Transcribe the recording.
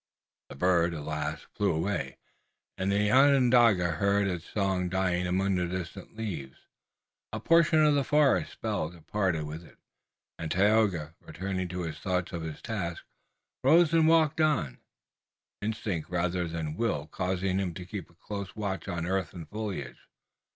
The bird at last flew away and the Onondaga heard its song dying among the distant leaves. A portion of the forest spell departed with it, and Tayoga, returning to thoughts of his task, rose and walked on, instinct rather than will causing him to keep a close watch on earth and foliage.